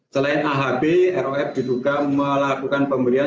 selain ahb rof diduga melakukan pemberian